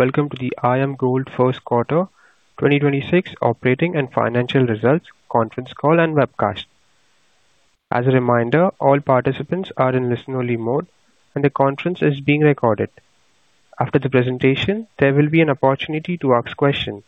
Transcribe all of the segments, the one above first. Welcome to the IAMGOLD first quarter 2026 operating and financial results conference call and webcast. As a reminder, all participants are in listen-only mode, and the conference is being recorded. After the presentation, there will be an opportunity to ask questions.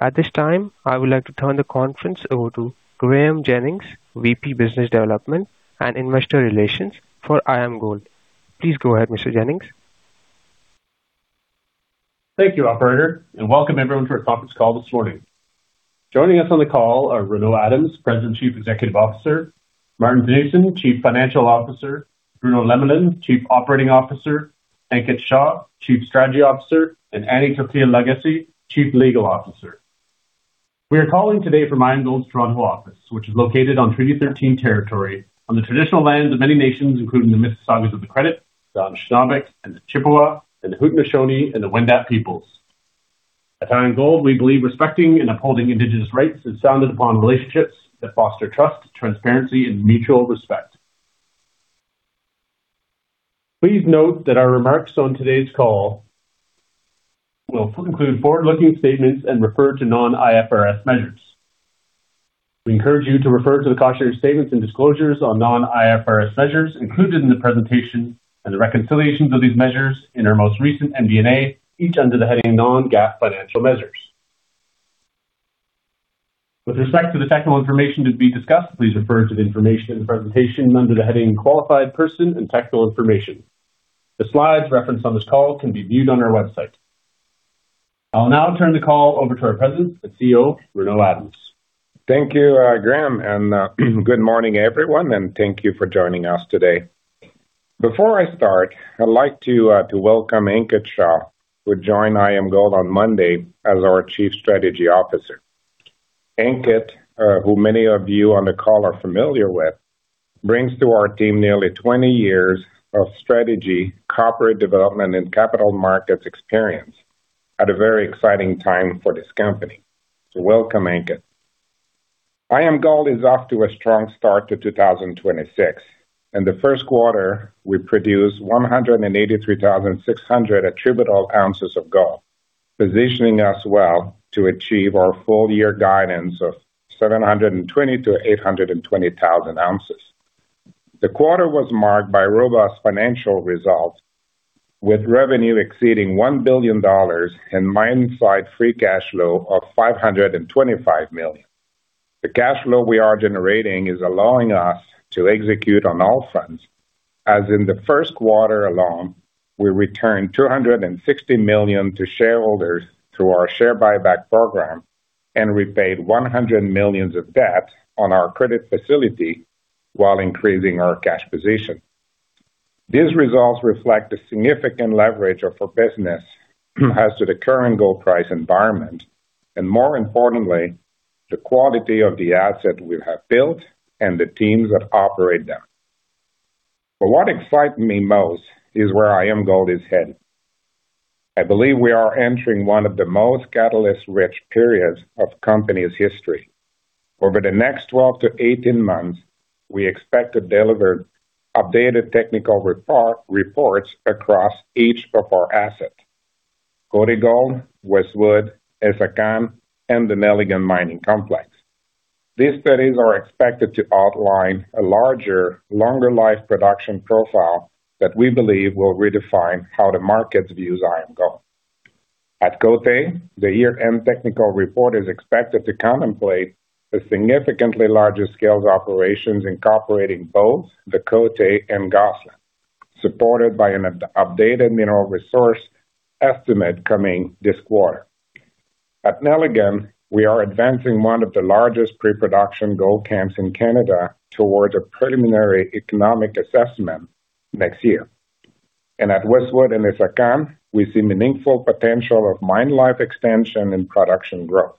At this time, I would like to turn the conference over to Graeme Jennings, VP Business Development and Investor Relations for IAMGOLD. Please go ahead, Mr. Jennings. Thank you, operator, and welcome everyone to our conference call this morning. Joining us on the call are Renaud Adams, President, Chief Executive Officer, Maarten Theunissen, Chief Financial Officer, Bruno Lemelin, Chief Operating Officer, Ankit Shah, Chief Strategy Officer, and Annie Torkia Lagacé, Chief Legal Officer. We are calling today from IAMGOLD's Toronto office, which is located on Treaty 13 territory on the traditional lands of many nations, including the Mississaugas of the Credit, the Anishinaabe, and the Chippewa, and the Haudenosaunee, and the Wendat peoples. At IAMGOLD, we believe respecting and upholding Indigenous rights is founded upon relationships that foster trust, transparency, and mutual respect. Please note that our remarks on today's call will include forward-looking statements and refer to non-IFRS measures. We encourage you to refer to the cautionary statements and disclosures on Non-IFRS measures included in the presentation and the reconciliations of these measures in our most recent MD&A, each under the heading Non-GAAP Financial Measures. With respect to the technical information to be discussed, please refer to the information in the presentation under the heading Qualified Person and Technical Information. The slides referenced on this call can be viewed on our website. I'll now turn the call over to our President and CEO, Renaud Adams. Thank you, Graeme, and good morning, everyone, and thank you for joining us today. Before I start, I'd like to welcome Ankit Shah, who joined IAMGOLD on Monday as our Chief Strategy Officer. Ankit, who many of you on the call are familiar with, brings to our team nearly 20 years of strategy, corporate development, and capital markets experience at a very exciting time for this company. Welcome, Ankit. IAMGOLD is off to a strong start to 2026. In the first quarter, we produced 183,600 attributable ounces of gold, positioning us well to achieve our full-year guidance of 720,000 ounces-820,000 ounces. The quarter was marked by robust financial results, with revenue exceeding 1 billion dollars and mine site free cash flow of 525 million. The cash flow we are generating is allowing us to execute on all fronts, as in the first quarter alone, we returned 260 million to shareholders through our share buyback program and repaid 100 million of debt on our credit facility while increasing our cash position. These results reflect the significant leverage of our business as to the current gold price environment, and more importantly, the quality of the asset we have built and the teams that operate them. What excites me most is where IAMGOLD is headed. I believe we are entering one of the most catalyst-rich periods of the company's history. Over the next 12-18 months, we expect to deliver updated technical reports across each of our assets, Côté Gold, Westwood, Essakane, and the Nelligan Mining Complex. These studies are expected to outline a larger, longer life production profile that we believe will redefine how the market views IAMGOLD. At Côté, the year-end technical report is expected to contemplate a significantly larger scale of operations incorporating both the Côté and Gosselin, supported by an updated mineral resource estimate coming this quarter. At Nelligan, we are advancing one of the largest pre-production gold camps in Canada towards a preliminary economic assessment next year. At Westwood and Essakane, we see meaningful potential of mine life expansion and production growth.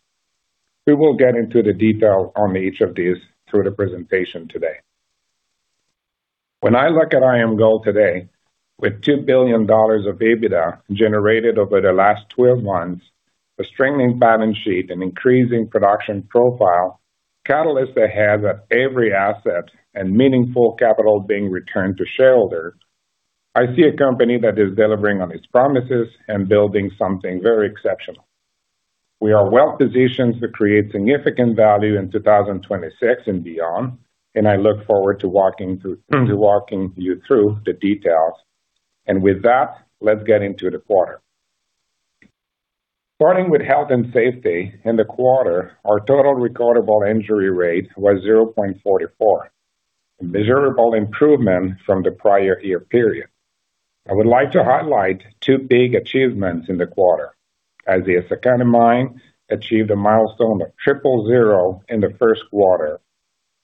We will get into the detail on each of these through the presentation today. When I look at IAMGOLD today, with 2 billion dollars of EBITDA generated over the last 12 months, a strengthening balance sheet and increasing production profile, catalysts ahead at every asset, and meaningful capital being returned to shareholders, I see a company that is delivering on its promises and building something very exceptional. We are well positioned to create significant value in 2026 and beyond, and I look forward to walking you through the details. With that, let's get into the quarter. Starting with health and safety, in the quarter, our total recordable injury rate was 0.44, a measurable improvement from the prior year period. I would like to highlight two big achievements in the quarter, as the Essakane mine achieved a milestone of triple zero in the first quarter,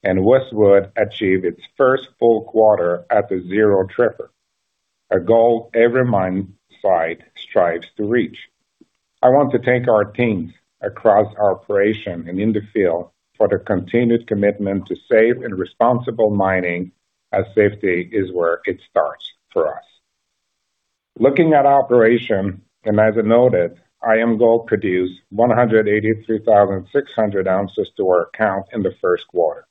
and Westwood achieved its first full quarter at a zero TRIR, a goal every mine site strives to reach. I want to thank our teams across our operation and in the field for their continued commitment to safe and responsible mining, as safety is where it starts for us. Looking at operation, as I noted, IAMGOLD produced 183,600 ounces to our account in the first quarter.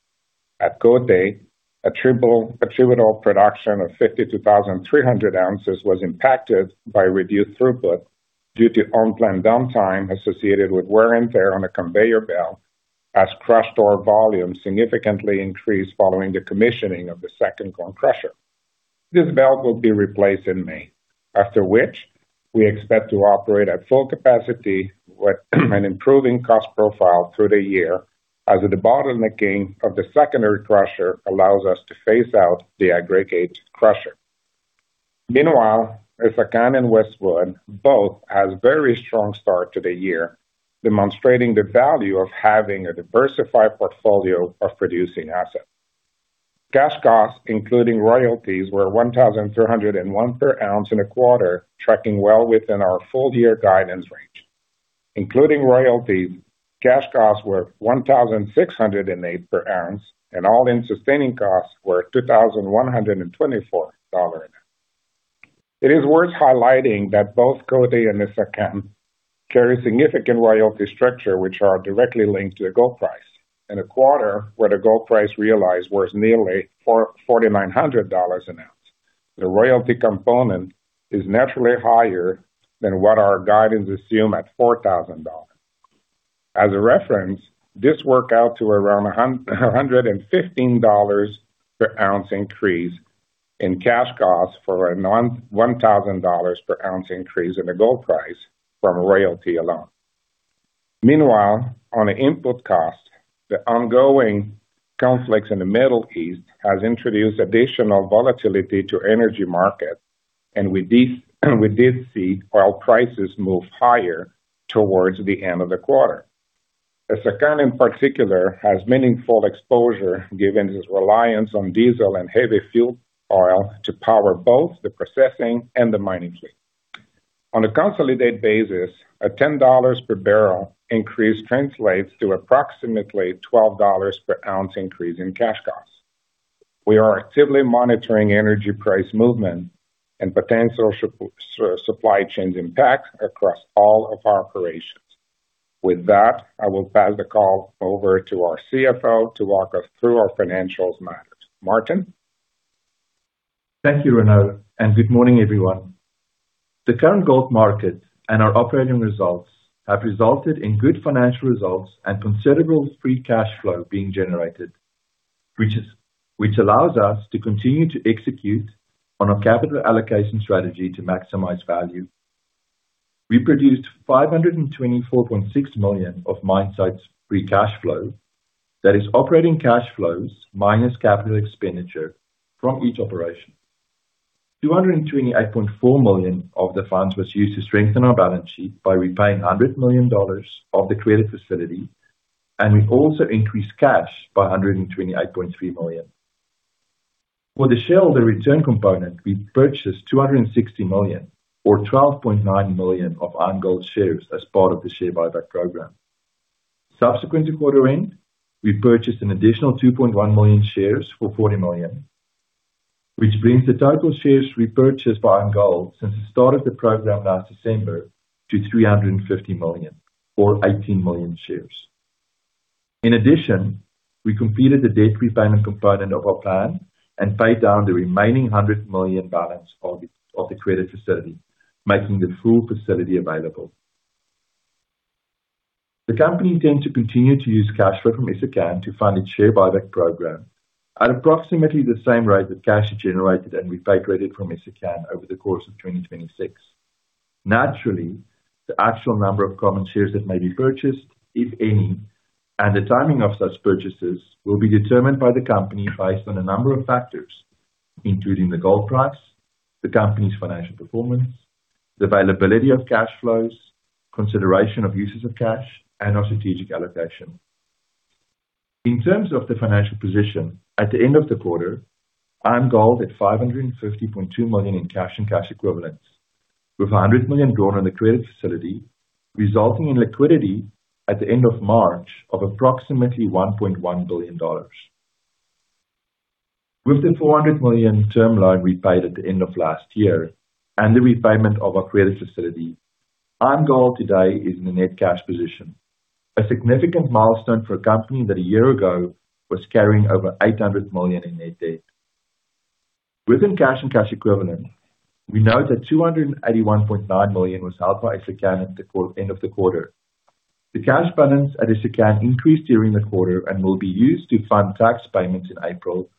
At Côté, attributable production of 52,300 ounces was impacted by reduced throughput due to unplanned downtime associated with wear and tear on a conveyor belt as crushed ore volume significantly increased following the commissioning of the second cone crusher. This belt will be replaced in May, after which we expect to operate at full capacity with an improving cost profile through the year as the bottlenecking of the secondary crusher allows us to phase out the aggregate crusher. Essakane and Westwood both had a very strong start to the year, demonstrating the value of having a diversified portfolio of producing assets. Cash costs, including royalties, were 1,301 per ounce in a quarter, tracking well within our full-year guidance range. Including royalties, cash costs were 1,608 per ounce, and all-in sustaining costs were 2,124 dollars. It is worth highlighting that both Côté and Essakane carry significant royalty structure which are directly linked to the gold price. In a quarter where the gold price realized was nearly 4,900 dollars an ounce, the royalty component is naturally higher than what our guidance assume at 4,000 dollars. As a reference, this worked out to around 115 dollars per ounce increase in cash costs for a 1,000 dollars per ounce increase in the gold price from a royalty alone. Meanwhile, on input costs, the ongoing conflicts in the Middle East has introduced additional volatility to energy markets, and we did see oil prices move higher towards the end of the quarter. Essakane, in particular, has meaningful exposure given its reliance on diesel and heavy fuel oil to power both the processing and the mining fleet. On a consolidated basis, a 10 dollars per barrel increase translates to approximately 12 dollars per ounce increase in cash costs. We are actively monitoring energy price movement and potential supply chain impact across all of our operations. With that, I will pass the call over to our CFO to walk us through our financial matters. Maarten. Thank you, Renaud, and good morning, everyone. The current gold market and our operating results have resulted in good financial results and considerable free cash flow being generated, which allows us to continue to execute on our capital allocation strategy to maximize value. We produced 524.6 million of mine site free cash flow. That is operating cash flows minus capital expenditure from each operation. 228.4 million of the funds was used to strengthen our balance sheet by repaying 100 million dollars of the credit facility, and we also increased cash by 128.3 million. For the shareholder return component, we purchased 260 million or 12.9 million of IAMGOLD shares as part of the share buyback program. Subsequent to quarter end, we purchased an additional 2.1 million shares for 40 million. Which brings the total shares repurchased by IAMGOLD since the start of the program last December to 350 million or 18 million shares. In addition, we completed the debt repayment component of our plan and paid down the remaining 100 million balance of the credit facility, making the full facility available. The company intends to continue to use cash flow from Essakane to fund its share buyback program at approximately the same rate that cash is generated and repatriated from Essakane over the course of 2026. Naturally, the actual number of common shares that may be purchased, if any, and the timing of such purchases will be determined by the company based on a number of factors, including the gold price, the company's financial performance, the availability of cash flows, consideration of uses of cash, and our strategic allocation. In terms of the financial position, at the end of the quarter, IAMGOLD had 550.2 million in cash and cash equivalents, with 100 million drawn on the credit facility, resulting in liquidity at the end of March of approximately 1.1 billion dollars. With the 400 million term loan repaid at the end of last year and the repayment of our credit facility, IAMGOLD today is in a net cash position, a significant milestone for a company that a year ago was carrying over 800 million in net debt. Within cash and cash equivalents, we note that 281.9 million was held by Essakane at the end of the quarter. The cash balance at Essakane increased during the quarter and will be used to fund tax payments in April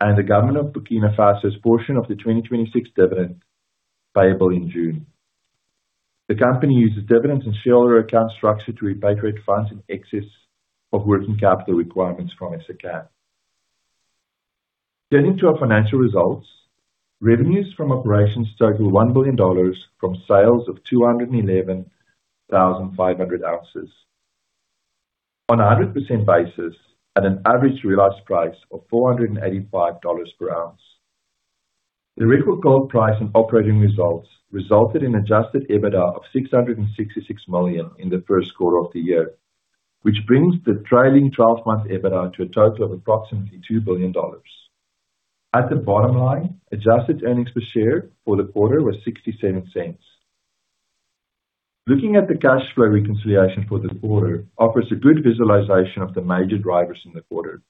and the government of Burkina Faso's portion of the 2026 dividend payable in June. The company uses dividends and shareholder account structure to repatriate funds in excess of working capital requirements from Essakane. Turning to our financial results, revenues from operations totaled 1 billion dollars from sales of 211,500 ounces. On a 100% basis at an average realized price of 485 dollars per ounce. The record gold price and operating results resulted in adjusted EBITDA of 666 million in the first quarter of the year. Which brings the trailing 12-month EBITDA to a total of approximately 2 billion dollars. At the bottom line, adjusted Earnings per Share for the quarter was 0.67. Looking at the cash flow reconciliation for the quarter offers a good visualization of the major drivers in the quarter.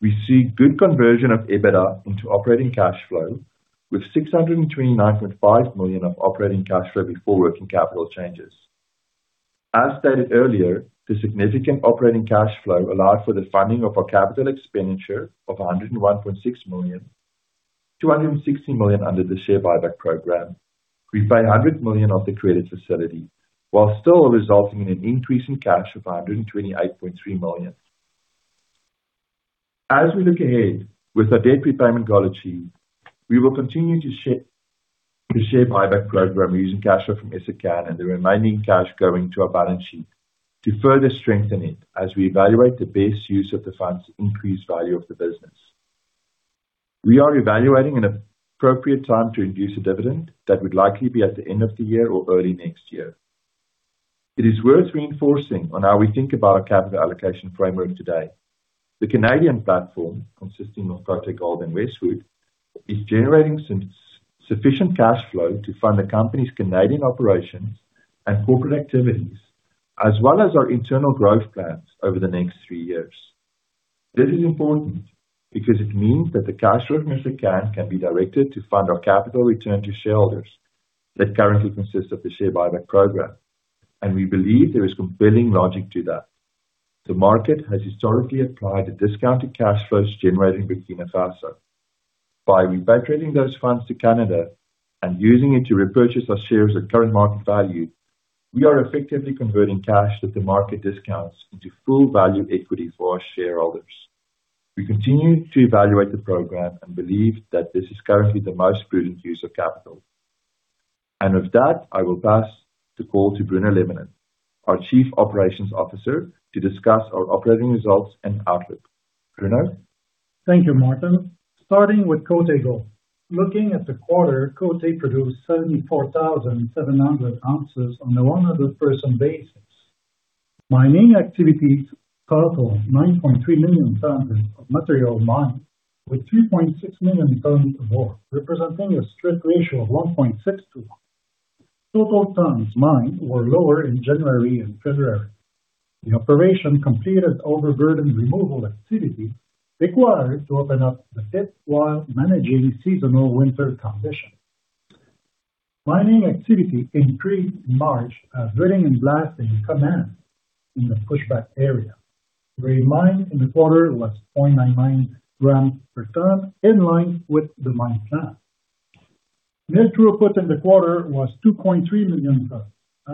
We see good conversion of EBITDA into operating cash flow with 629.5 million of operating cash flow before working capital changes. As stated earlier, the significant operating cash flow allowed for the funding of our capital expenditure of 101.6 million, 260 million under the share buyback program. We paid 100 million of the credit facility, while still resulting in an increase in cash of 128.3 million. We look ahead with our debt prepayment goal achieved, we will continue to shape the share buyback program using cash flow from Essakane and the remaining cash going to our balance sheet to further strengthen it as we evaluate the best use of the funds to increase value of the business. We are evaluating an appropriate time to induce a dividend that would likely be at the end of the year or early next year. It is worth reinforcing on how we think about our capital allocation framework today. The Canadian platform, consisting of Côté Gold and Westwood, is generating sufficient cash flow to fund the company's Canadian operations and corporate activities, as well as our internal growth plans over the next three years. This is important because it means that the cash flow from Essakane can be directed to fund our capital return to shareholders that currently consists of the share buyback program. We believe there is compelling logic to that. The market has historically applied a discounted cash flows generating in Burkina Faso. By repatriating those funds to Canada and using it to repurchase our shares at current market value, we are effectively converting cash that the market discounts into full value equity for our shareholders. We continue to evaluate the program and believe that this is currently the most prudent use of capital. With that, I will pass the call to Bruno Lemelin, our Chief Operating Officer, to discuss our operating results and outlook. Bruno. Thank you, Maarten. Starting with Côté Gold. Looking at the quarter, Côté produced 74,700 ounces on an all-in basis. Mining activities totaled 9.3 million tons of material mined, with 3.6 million tons of ore, representing a strip ratio of 1.6 to 1. Total tons mined were lower in January and February. The operation completed overburden removal activity required to open up the pit while managing seasonal winter conditions. Mining activity increased in March as drilling and blasting commenced in the pushback area. Grade mined in the quarter was 0.99g per ton, in line with the mine plan. Mill throughput in the quarter was 2.3 million tons.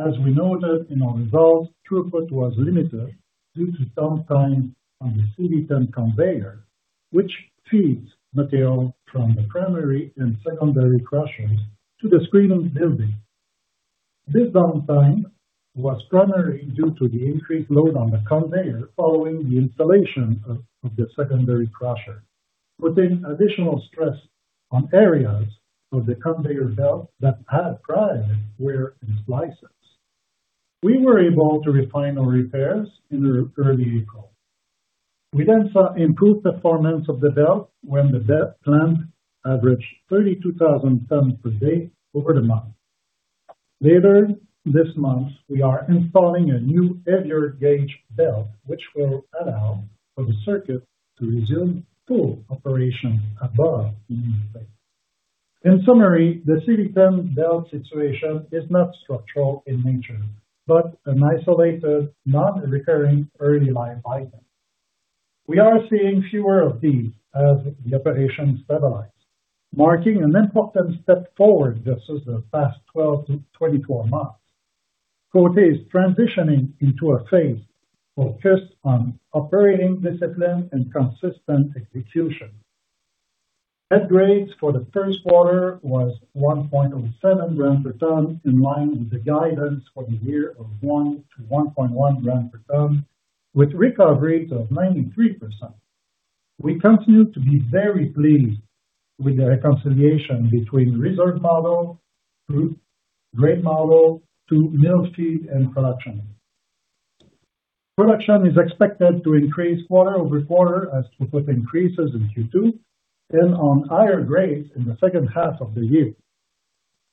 As we noted in our results, throughput was limited due to downtime on the CV10 conveyor, which feeds material from the primary and secondary crushers to the screening building. This downtime was primarily due to the increased load on the conveyor following the installation of the secondary crusher, putting additional stress on areas of the conveyor belt that had prior wear and slices. We were able to refine our repairs in early April. We saw improved performance of the belt when the belt plant averaged 32,000 tons per day over the month. Later this month, we are installing a new heavier gauge belt, which will allow for the circuit to resume full operation above 90,000. In summary, the CV10 belt situation is not structural in nature, but an isolated, non-recurring early life item. We are seeing fewer of these as the operation stabilizes, marking an important step forward versus the past 12-24 months. Côté is transitioning into a phase focused on operating discipline and consistent execution. Head grades for the first quarter was 1.07g per ton, in line with the guidance for the year of 1-1.1g per ton, with recovery of 93%. We continue to be very pleased with the reconciliation between reserve model through grade model to mill feed and production. Production is expected to increase quarter-over-quarter as throughput increases in Q2 and on higher grades in the second half of the year.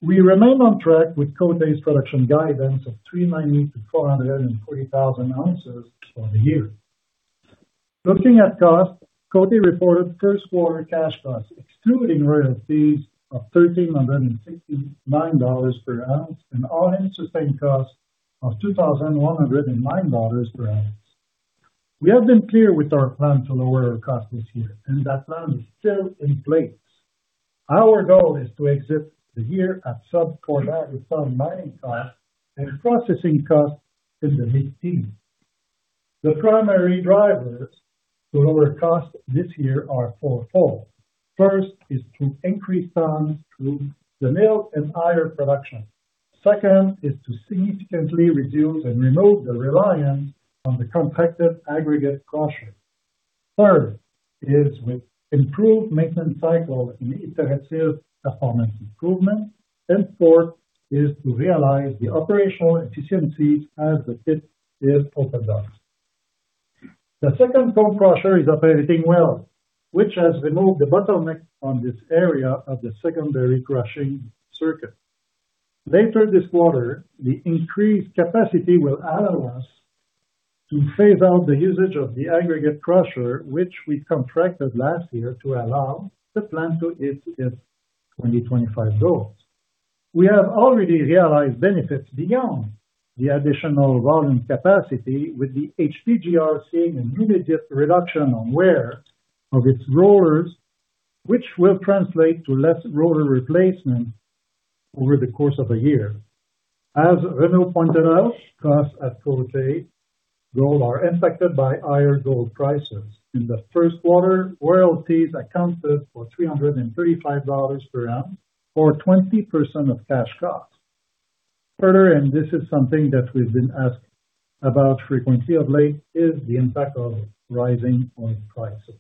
We remain on track with Côté's production guidance of 390,000-440,000 ounces for the year. Looking at cost, Côté reported first quarter cash costs, excluding royalty of 1,369 dollars per ounce and all-in sustaining costs of 2,109 dollars per ounce. We have been clear with our plan to lower our costs this year, and that plan is still in place. Our goal is to exit the year at sub per mining costs and processing costs in the mid-teens. The primary drivers to lower costs this year are fourfold. First is to increase tons through the mill and higher production. Second is to significantly reduce and remove the reliance on the contracted aggregate crusher. Third is with improved maintenance cycle and iterative performance improvement. Fourth is to realize the operational efficiency as the pit is opened up. The second cone crusher is operating well, which has removed the bottleneck from this area of the secondary crushing circuit. Later this quarter, the increased capacity will allow us to phase out the usage of the aggregate crusher, which we contracted last year to allow the plant to hit its 2025 goals. We have already realized benefits beyond the additional volume capacity, with the HPGR seeing an immediate reduction on wear of its rollers, which will translate to less roller replacement over the course of a year. As Renaud pointed out, costs at Côté Gold are impacted by higher gold prices. In the first quarter, royalties accounted for 335 dollars per ounce or 20% of cash costs. Further, and this is something that we've been asked about frequently of late, is the impact of rising oil prices.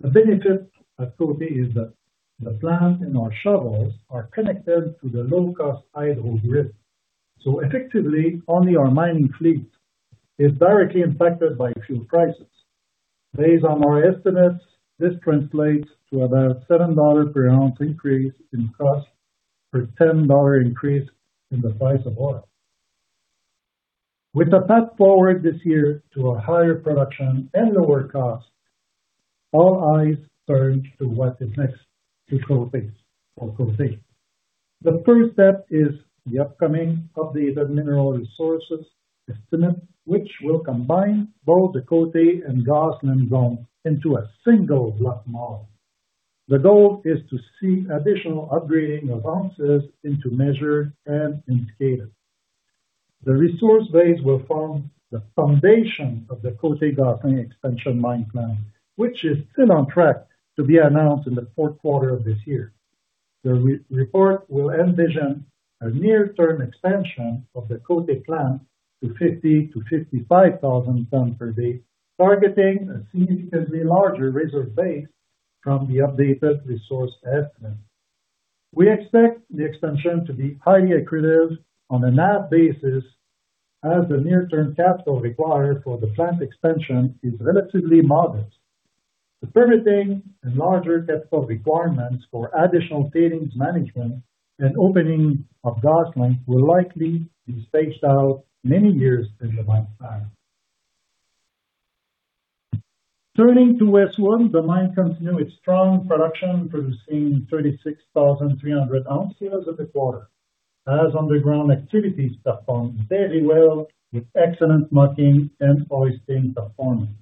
The benefit at Côté is that the plant and our shovels are connected to the low-cost hydro grid. Effectively, only our mining fleet is directly impacted by fuel prices. Based on our estimates, this translates to about 7 dollars per ounce increase in cost per 10 dollar increase in the price of oil. With a path forward this year to a higher production and lower cost, all eyes turn to what is next to Côté for Côté. The first step is the upcoming updated mineral resource estimate, which will combine both the Côté and Gosselin zones into a single block model. The goal is to see additional upgrading of ounces into measured and indicated. The resource base will form the foundation of the Côté-Gosselin expansion mine plan, which is still on track to be announced in the fourth quarter of this year. The re-report will envision a near-term expansion of the Côté plan to 50,000 to 55,000 tons per day, targeting a significantly larger resource base from the updated resource estimate. We expect the expansion to be highly accretive on a NAV basis, as the near-term capital required for the plant expansion is relatively modest. The permitting and larger capital requirements for additional tailings management and opening of Gosselin will likely be staged out many years in the mine plan. Turning to Westwood, the mine continued its strong production, producing 36,300 ounces at the quarter, as underground activities performed very well with excellent mucking and hoisting performance.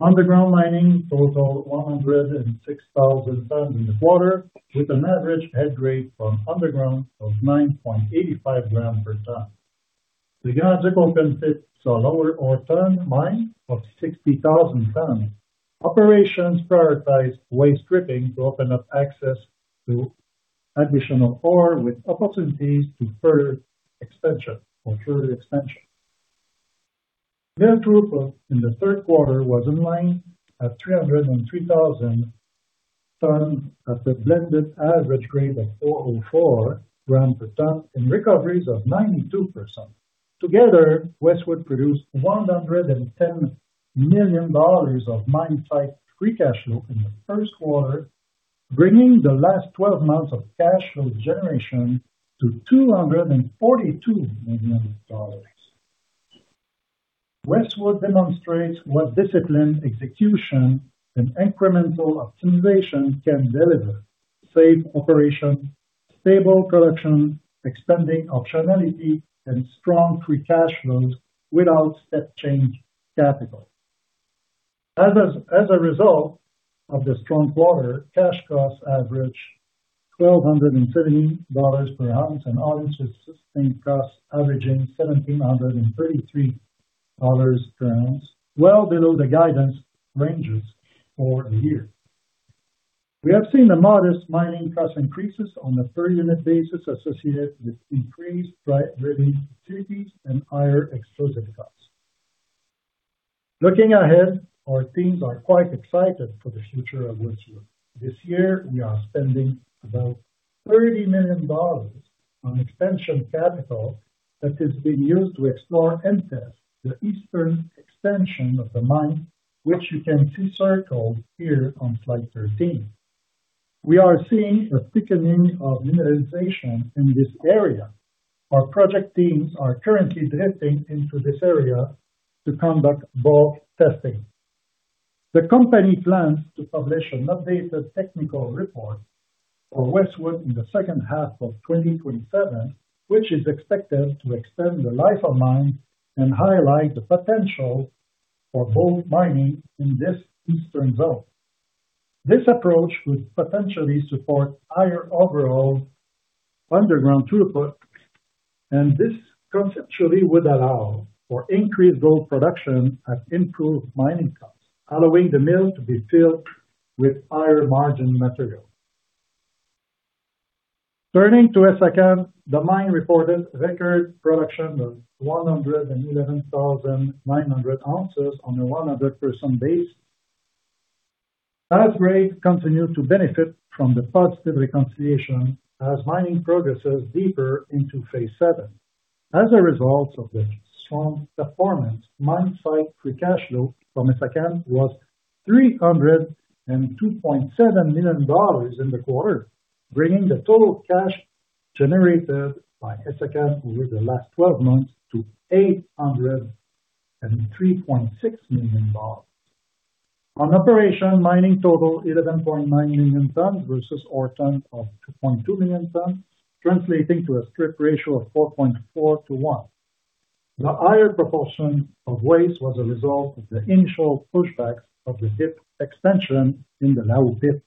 Underground mining totaled 106,000 tons in the quarter, with an average head grade from underground of 9.85g per ton. The underground open pits saw lower ore ton mined of 60,000 tons. Operations prioritized waste stripping to open up access to additional ore with opportunities to further expansion or further expansion. Their throughput in the third quarter was in line at 303,000 tons at a blended average grade of 4.4g per ton and recoveries of 92%. Together, Westwood produced 110 million dollars of mine site free cash flow in the first quarter, bringing the last 12 months of cash flow generation to 242 million dollars. Westwood demonstrates what disciplined execution and incremental optimization can deliver: safe operation, stable production, expanding optionality, and strong free cash flows without step-change capital. As a result of the strong quarter, cash costs averaged 1,230 dollars per ounce, and all-in sustaining costs averaging 1,733 dollars per ounce, well below the guidance ranges for the year. We have seen a modest mining cost increases on a per unit basis associated with increased dry drilling activities and higher explosive costs. Looking ahead, our teams are quite excited for the future of Westwood. This year, we are spending about 30 million dollars on expansion capital that is being used to explore into, the eastern extension of the mine, which you can see circled here on slide 13. We are seeing a thickening of mineralization in this area. Our project teams are currently drifting into this area to conduct bore testing. The company plans to publish an updated technical report for Westwood in the second half of 2027, which is expected to extend the life of mine and highlight the potential for both mining in this eastern zone. This approach could potentially support higher overall underground throughput, this conceptually would allow for increased gold production at improved mining costs, allowing the mill to be filled with higher margin material. Turning to Essakane, the mine reported record production of 111,900 ounces on a 100% base. As grade continued to benefit from the positive reconciliation as mining progresses deeper into phase VII. As a result of the strong performance, mine site free cash flow from Essakane was 302.7 million dollars in the quarter, bringing the total cash generated by Essakane over the last 12 months to 803.6 million dollars. On operation, mining total 11.9 million tons versus ore ton of 2.2 million tons, translating to a strip ratio of 4.4 to 1. The higher proportion of waste was a result of the initial pushback of the dip extension in the Lao pit.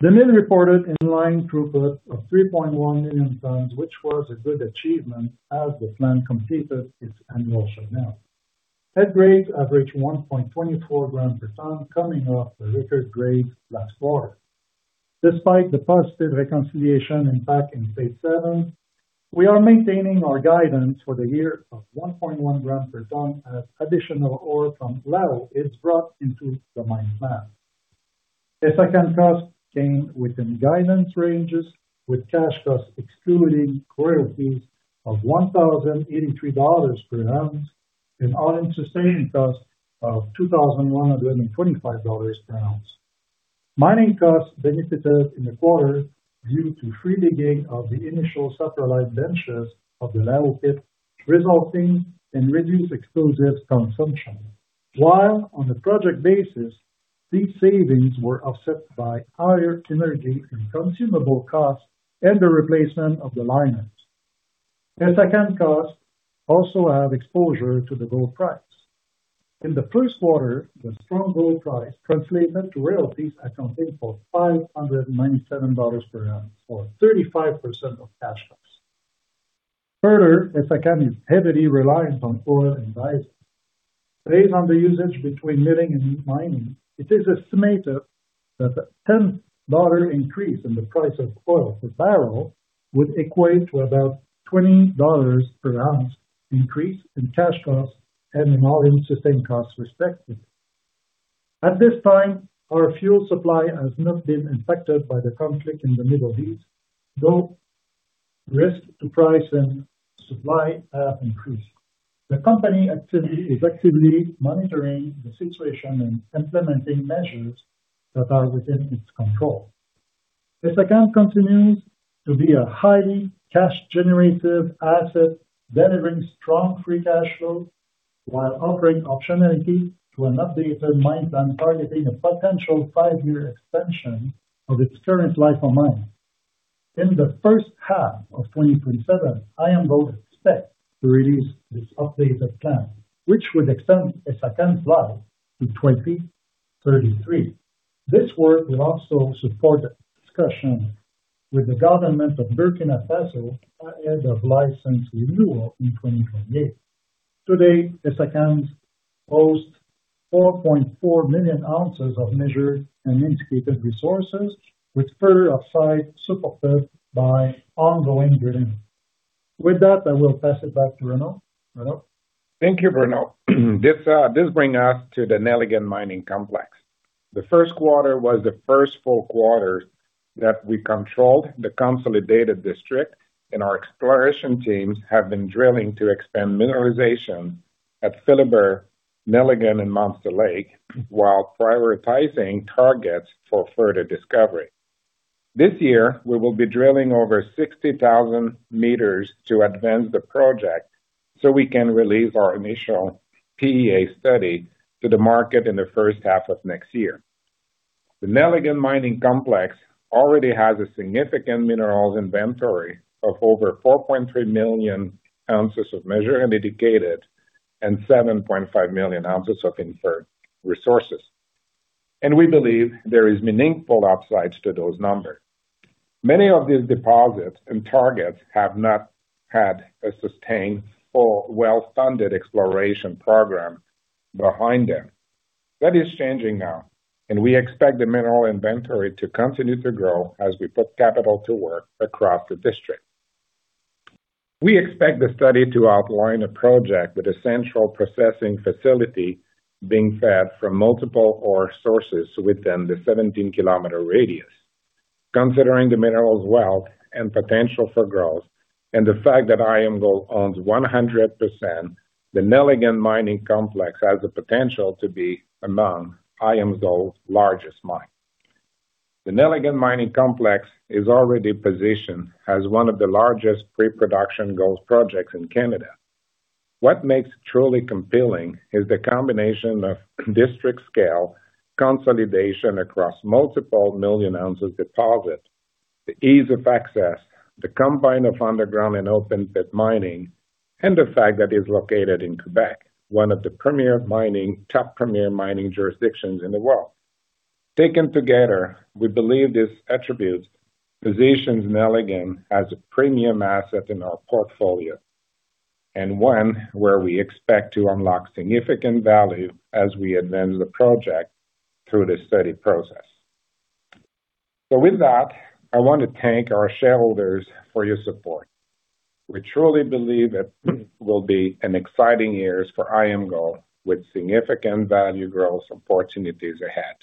The mill reported in line throughput of 3.1 million tons, which was a good achievement as the plant completed its annual shutdown. Head grades average 1.24g per ton coming off the record grade last quarter. Despite the positive reconciliation impact in phase seven, we are maintaining our guidance for the year of 1.1g per ton as additional ore from Lao is brought into the mine plan. Essakane cost came within guidance ranges with cash costs excluding royalties of 1,083 dollars per ounce and all-in sustaining cost of 2,125 dollars per ounce. Mining costs benefited in the quarter due to free dig gain of the initial satellite benches of the Lao pit, resulting in reduced explosive consumption. While on a project basis, these savings were offset by higher energy and consumable costs and the replacement of the liners. Essakane costs also have exposure to the gold price. In the first quarter, the strong gold price translated to royalties accounting for 597 dollars per ounce or 35% of cash costs. Further, Essakane is heavily reliant on oil and diesel. Based on the usage between milling and mining, it is estimated that a 10 dollar increase in the price of oil per barrel would equate to about 20 dollars per ounce increase in cash costs and in all-in sustaining costs, respectively. At this time, our fuel supply has not been impacted by the conflict in the Middle East, though risk to price and supply have increased. The company is actively monitoring the situation and implementing measures that are within its control. Essakane continues to be a highly cash generative asset, delivering strong free cash flow while offering optionality to an updated mine plan targeting a potential five-year extension of its current life of mine. In the first half of 2027, IAMGOLD expects to release this updated plan, which would extend Essakane's life to 2033. This work will also support discussions with the government of Burkina Faso ahead of license renewal in 2028. Today, Essakane hosts 4.4 million ounces of measured and indicated resources with further upside supported by ongoing drilling. With that, I will pass it back to Renaud. Renaud? Thank you, Bruno. This bring us to the Nelligan Mining Complex. The first quarter was the first full quarter that we controlled the consolidated district, and our exploration teams have been drilling to expand mineralization at Philibert, Nelligan, and Monster Lake while prioritizing targets for further discovery. This year, I will be drilling over 60,000 meters to advance the project, so we can release our initial PEA study to the market in the first half of next year. The Nelligan Mining Complex already has a significant minerals inventory of over 4.3 million ounces of measured and indicated and 7.5 million ounces of inferred resources. We believe there is meaningful upsides to those numbers. Many of these deposits and targets have not had a sustained or well-funded exploration program behind them. That is changing now. We expect the mineral inventory to continue to grow as we put capital to work across the district. We expect the study to outline a project with a central processing facility being fed from multiple ore sources within the 17-km radius. Considering the minerals wealth and potential for growth and the fact that IAMGOLD owns 100%, the Nelligan Mining Complex has the potential to be among IAMGOLD's largest mines. The Nelligan Mining Complex is already positioned as one of the largest pre-production gold projects in Canada. What makes truly compelling is the combination of district scale consolidation across multiple million ounces deposit, the ease of access, the combine of underground and open pit mining, and the fact that it is located in Quebec, one of the top premier mining jurisdictions in the world. Taken together, we believe these attributes positions Nelligan as a premium asset in our portfolio. One where we expect to unlock significant value as we advance the project through the study process. With that, I want to thank our shareholders for your support. We truly believe that will be an exciting years for IAMGOLD, with significant value growth opportunities ahead,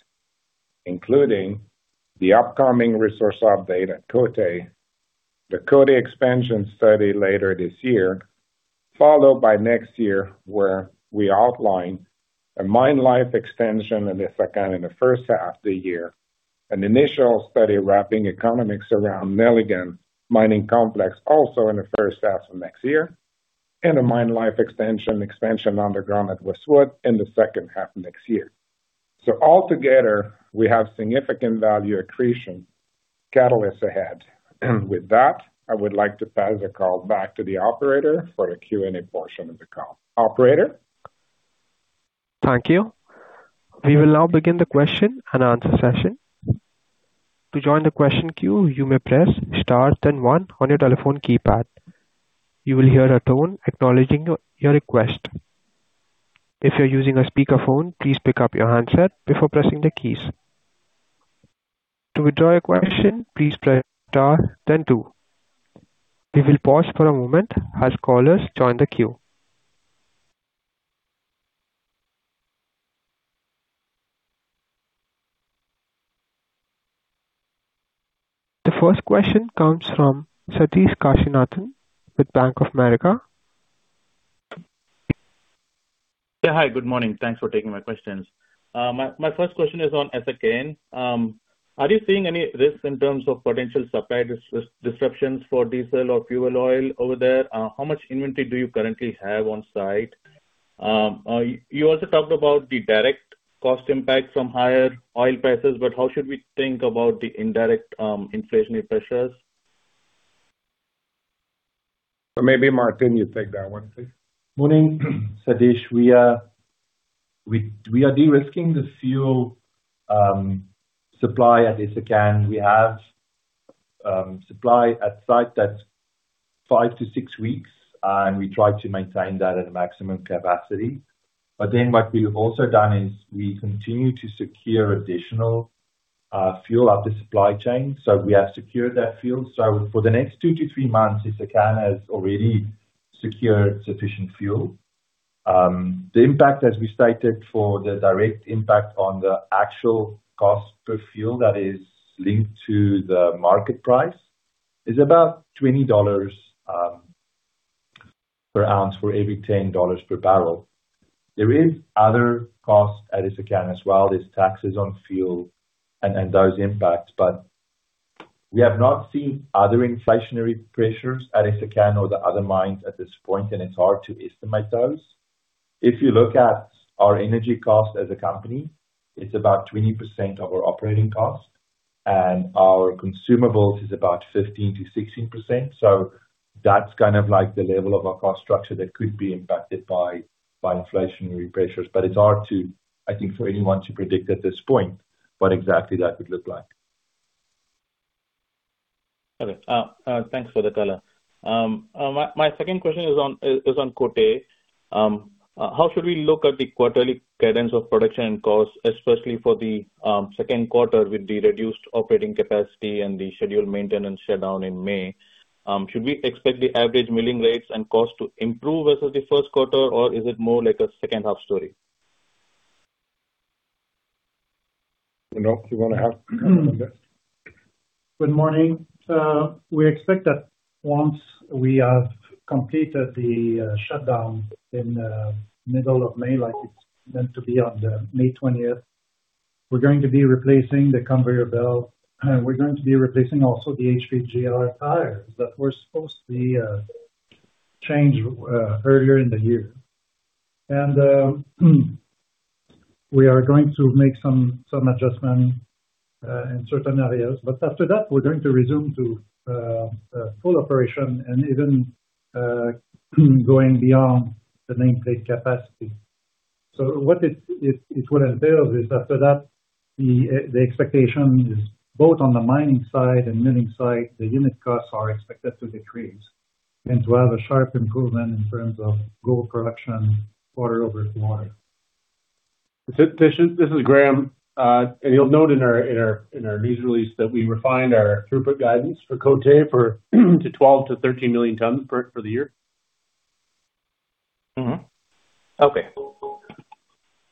including the upcoming resource update at Côté, the Côté expansion study later this year, followed by next year, where we outline a mine life extension in Essakane in the first half of the year, initial study wrapping economics around Nelligan Mining Complex also in the first half of next year, and a mine life extension, expansion underground at Westwood in the second half of next year. Altogether, we have significant value accretion catalysts ahead. With that, I would like to pass the call back to the operator for the Q&A portion of the call. Operator? Thank you. We will now begin the question and answer session. To join the question queue, you may press star then one on your telephone keypad. You will hear a tone acknowledging your request. If you're using a speakerphone, please pick up your handset before pressing the keys. To withdraw your question, please press star then two. We will pause for a moment as callers join the queue. The first question comes from Sathish Kasinathan with Bank of America. Yeah. Hi, good morning. Thanks for taking my questions. My first question is on Essakane. Are you seeing any risks in terms of potential supply disruptions for diesel or fuel oil over there? How much inventory do you currently have on site? You also talked about the direct cost impact from higher oil prices, but how should we think about the indirect inflationary pressures? Maybe Maarten, you take that one, please. Morning, Sathish. We are de-risking the fuel supply at Essakane. We have supply at site that's five to six weeks. We try to maintain that at maximum capacity. What we've also done is we continue to secure additional fuel up the supply chain. We have secured that fuel. For the next two to three months, Essakane has already secured sufficient fuel. The impact, as we stated, for the direct impact on the actual cost per fuel that is linked to the market price is about 20 dollars per ounce for every 10 dollars per barrel. There is other costs at Essakane as well. There's taxes on fuel and those impacts. We have not seen other inflationary pressures at Essakane or the other mines at this point. It's hard to estimate those. If you look at our energy cost as a company, it's about 20% of our operating cost, and our consumables is about 15%-16%. That's kind of like the level of our cost structure that could be impacted by inflationary pressures. It's hard to, I think, for anyone to predict at this point what exactly that would look like. Okay. Thanks for the color. My second question is on Côté. How should we look at the quarterly guidance of production and cost, especially for the second quarter with the reduced operating capacity and the scheduled maintenance shutdown in May? Should we expect the average milling rates and cost to improve versus the first quarter, or is it more like a second half story? Bruno, do you want to have a go at that? Good morning. We expect that once we have completed the shutdown in middle of May, like it is meant to be on the May 20th, we are going to be replacing the conveyor belt. We are going to be replacing also the HPGR tires that were supposed to be changed earlier in the year. We are going to make some adjustment in certain areas. After that, we are going to resume to full operation and even going beyond the nameplate capacity. What it entails is, after that, the expectation is both on the mining side and milling side, the unit costs are expected to decrease and to have a sharp improvement in terms of gold production quarter-over-quarter. Sathish, this is Graeme. You'll note in our news release that we refined our throughput guidance for Côté to 12 million-13 million tons for the year. Okay.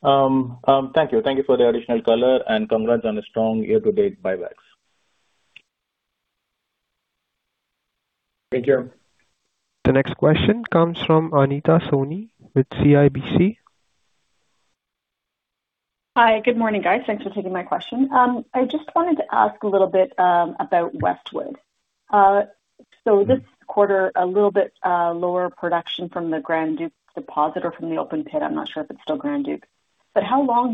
Thank you. Thank you for the additional color and congrats on a strong year-to-date buybacks. Thank you. The next question comes from Anita Soni with CIBC. Hi. Good morning, guys. Thanks for taking my question. I just wanted to ask a little bit about Westwood. So this quarter, a little bit lower production from the Grand Duke deposit or from the open pit, I'm not sure if it's still Grand Duke. How long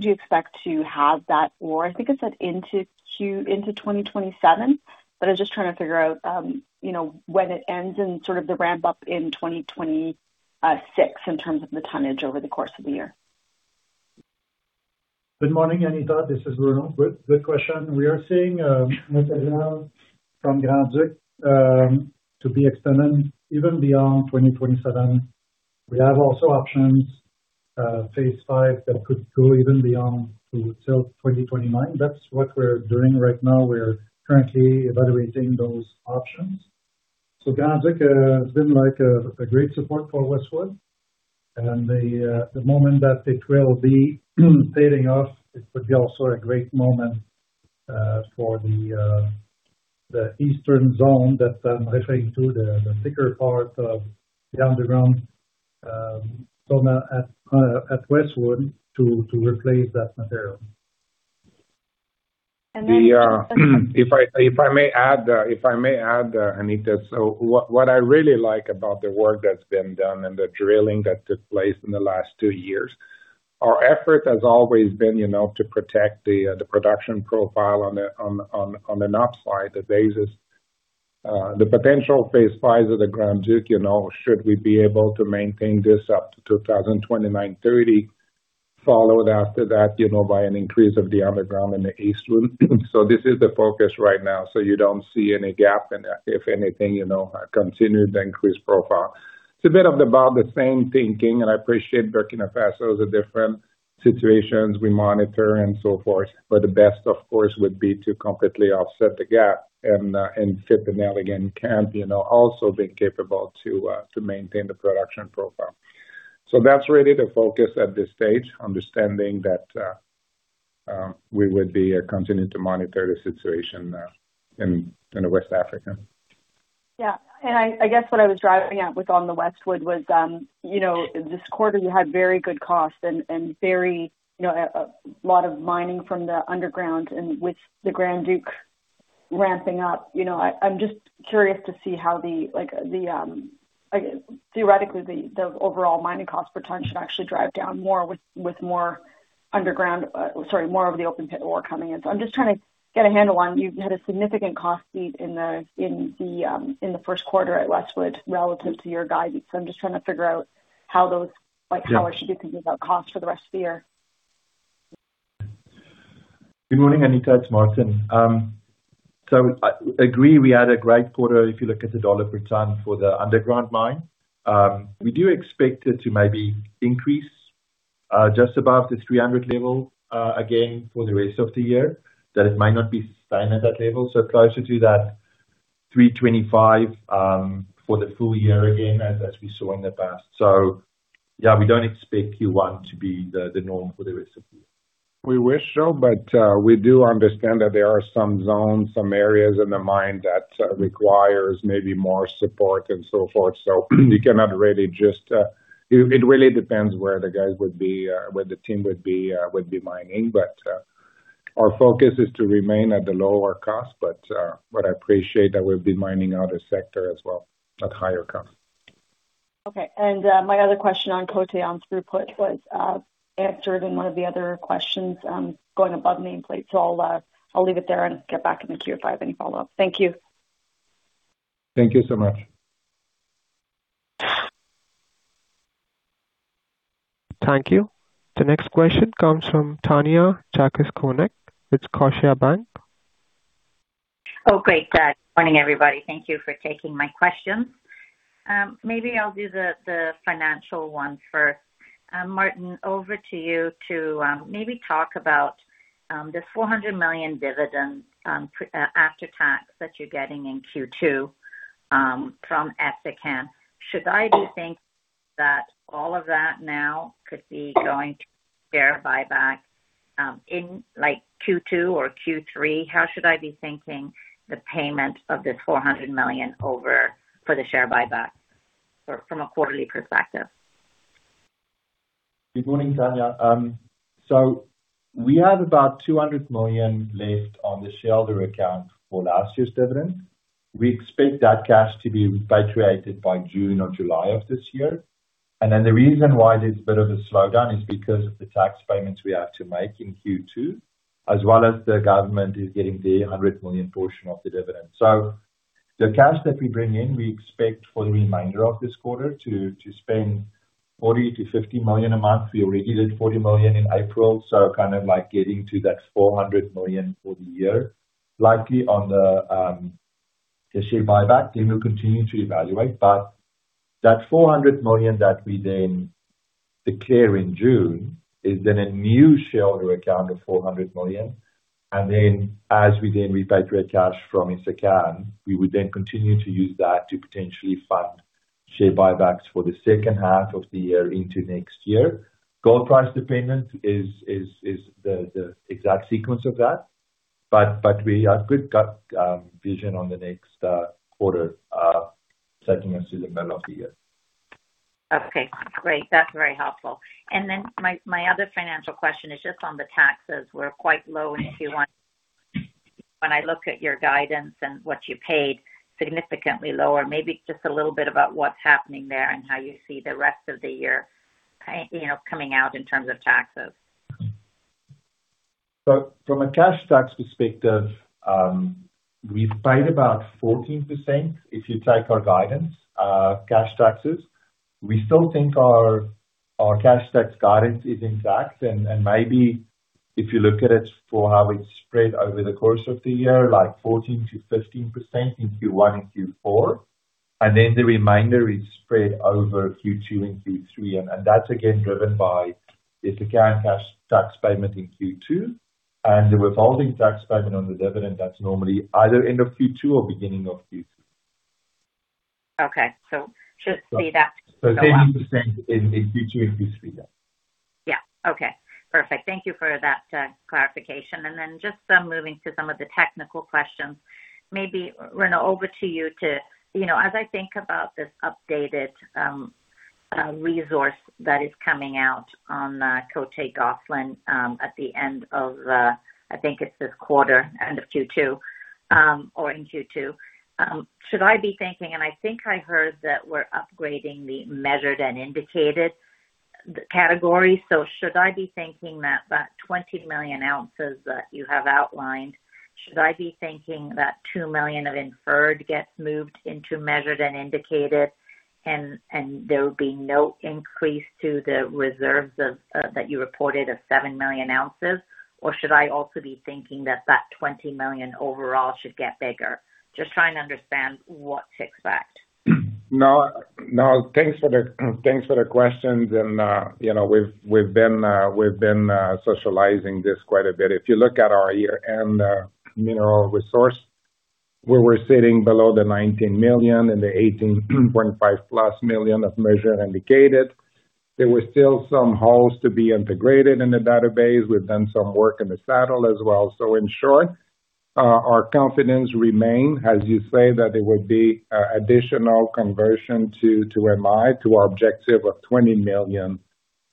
do you expect to have that for? I think it said into 2027, but I was just trying to figure out, you know, when it ends and sort of the ramp up in 2026 in terms of the tonnage over the course of the year. Good morning, Anita. This is Bruno. Good question. We are seeing material from Grand Duke to be extended even beyond 2027. We have also options, phase V that could go even beyond to till 2029. That's what we're doing right now. We're currently evaluating those options. Grand Duke has been like a great support for Westwood. The moment that it will be fading off, it would be also a great moment for the eastern zone that I'm referring to, the thicker part of the underground zone at Westwood to replace that material. And then- If I may add, Anita. What I really like about the work that's been done and the drilling that took place in the last two years, our effort has always been, you know, to protect the production profile on the upside, the phases. The potential phase 5s of the Grand Duke, you know, should we be able to maintain this up to 2029, 2030, followed after that, you know, by an increase of the underground in the East Wing. This is the focus right now. You don't see any gap in that. If anything, you know, a continued increased profile. It's a bit of about the same thinking, and I appreciate Burkina Faso is a different situations we monitor and so forth. The best, of course, would be to completely offset the gap and fit the Nelligan. Can, you know, also being capable to maintain the production profile. That's really the focus at this stage, understanding that we would be continuing to monitor the situation in the West Africa. Yeah. I guess what I was driving at with on the Westwood was, you know, this quarter you had very good costs and very, you know, a lot of mining from the underground and with the Grand Duke ramping up. You know, I'm just curious to see how the, like, the, like theoretically, the overall mining cost per ton should actually drive down more with more underground, sorry, more of the open pit ore coming in. I'm just trying to get a handle on, you had a significant cost beat in the first quarter at Westwood relative to your guidance. How I should be thinking about costs for the rest of the year? Good morning, Anita. It's Maarten. I agree we had a great quarter if you look at the dollar per ton for the underground mine. We do expect it to maybe increase just above the 300 level again for the rest of the year. That it might not be staying at that level, closer to that 325 for the full year again as we saw in the past. Yeah, we don't expect Q1 to be the norm for the rest of the year. We wish so, we do understand that there are some zones, some areas in the mine that requires maybe more support and so forth. We cannot really It really depends where the guys would be, where the team would be, would be mining. Our focus is to remain at the lower cost. I appreciate that we'll be mining out a sector as well at higher cost. Okay. My other question on Côté on throughput was answered in one of the other questions going above me in place. I'll leave it there and get back in the queue if I have any follow-up. Thank you. Thank you so much. Thank you. The next question comes from Tanya Jakusconek with Scotiabank. Oh, great. Good morning, everybody. Thank you for taking my questions. Maybe I'll do the financial one first. Maarten, over to you to maybe talk about the 400 million dividend after tax that you're getting in Q2 from Essakane. Should I be think that all of that now could be going to share buyback in like Q2 or Q3? How should I be thinking the payment of the 400 million over for the share buyback or from a quarterly perspective? Good morning, Tanya. We have about 200 million left on the shareholder account for last year's dividend. We expect that cash to be repatriated by June or July of this year. The reason why there's a bit of a slowdown is because of the tax payments we have to make in Q2, as well as the government is getting their 100 million portion of the dividend. The cash that we bring in, we expect for the remainder of this quarter to spend 40 million to 50 million a month. We already did 40 million in April, so kind of like getting to that 400 million for the year. Likely on the share buyback, we will continue to evaluate. That 400 million that we then declare in June is then a new shareholder account of 400 million. As we then repatriate cash from Essakane, we would then continue to use that to potentially fund share buybacks for the second half of the year into next year. Gold price dependent is the exact sequence of that. We have good vision on the next quarter, taking us through the middle of the year. Okay, great. That's very helpful. My other financial question is just on the taxes were quite low in Q1. When I look at your guidance and what you paid, significantly lower. Maybe just a little bit about what's happening there and how you see the rest of the year you know, coming out in terms of taxes. From a cash tax perspective, we've paid about 14% if you take our guidance, cash taxes. We still think our cash tax guidance is intact. Maybe if you look at it for how it's spread over the course of the year, like 14%-15% in Q1 and Q4, and then the remainder is spread over Q2 and Q3. That's again driven by the decline cash tax payment in Q2 and the revolving tax payment on the dividend that's normally either end of Q2 or beginning of Q3. Okay. Should see that go down. 10% in Q2 and Q3 then. Yeah. Okay. Perfect. Thank you for that clarification. Moving to some of the technical questions. Maybe, Renaud, over to you. You know, as I think about this updated resource that is coming out on Côté Gold at the end of, I think it's this quarter, end of Q2, or in Q2. Should I be thinking, I think I heard that we're upgrading the measured and indicated the category. Should I be thinking that that 20 million ounces that you have outlined, should I be thinking that 2 million of inferred gets moved into measured and indicated and there will be no increase to the reserves that you reported of 7 million ounces? Should I also be thinking that that 20 million ounces overall should get bigger? Just trying to understand what to expect. No, no. Thanks for the questions. You know, we've been socializing this quite a bit. If you look at our year-end mineral resource, where we're sitting below the 19 million and the 18.5+ million of measured and indicated, there were still some holes to be integrated in the database. We've done some work in the saddle as well. In short, our confidence remains, as you say, that there will be additional conversion to MI, to our objective of 20 million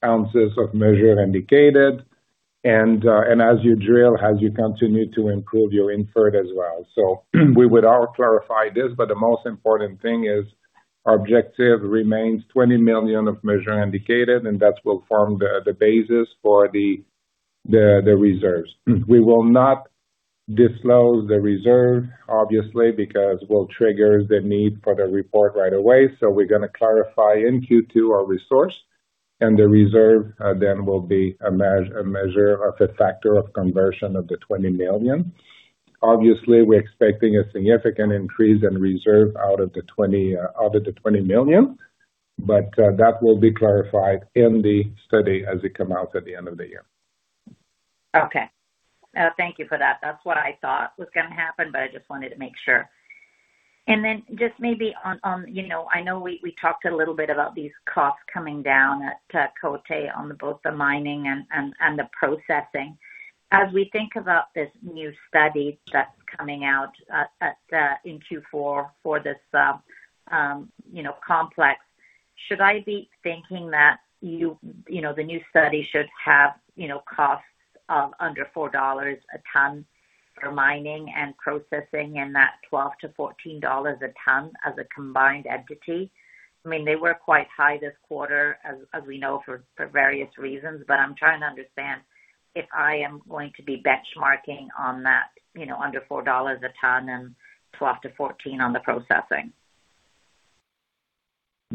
ounces of measured and indicated. As you drill, as you continue to improve your inferred as well. We would all clarify this, but the most important thing is our objective remains 20 million of measured and indicated, and that will form the basis for the reserves. We will not disclose the reserve, obviously, because we'll trigger the need for the report right away. We're gonna clarify in Q2 our resource and the reserve, then will be a measure of the factor of conversion of the 20 million. Obviously, we're expecting a significant increase in reserve out of the 20, out of the 20 million, but that will be clarified in the study as it come out at the end of the year. Okay. Thank you for that. That's what I thought was gonna happen, but I just wanted to make sure. Then just maybe on, you know, I know we talked a little bit about these costs coming down at Côté on both the mining and the processing. As we think about this new study that's coming out at in Q4 for this, you know, complex, should I be thinking that you know, the new study should have, you know, costs of under 4 dollars a ton for mining and processing and that 12-14 dollars a ton as a combined entity? I mean, they were quite high this quarter as we know for various reasons. I'm trying to understand if I am going to be benchmarking on that, you know, under 4 dollars a ton and 12-14 on the processing.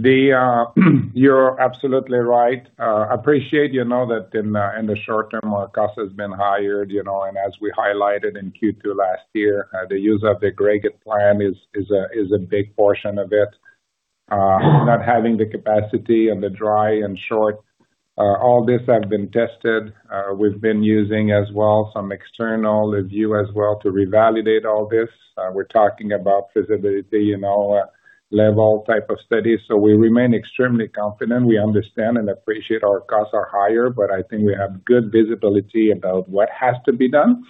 You're absolutely right. Appreciate, you know, that in the short term our cost has been higher. You know, as we highlighted in Q2 last year, the use of the aggregate crusher is a big portion of it. Not having the capacity of the dry and short. All this have been tested. We've been using as well some external review as well to revalidate all this. We're talking about feasibility, you know, level type of study. We remain extremely confident. We understand and appreciate our costs are higher, but I think we have good visibility about what has to be done.